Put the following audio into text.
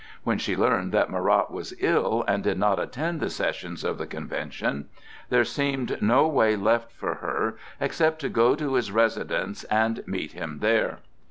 When she learned that Marat was ill and did not attend the sessions of the Convention, there seemed no way left for her except to go to his residence and meet him there.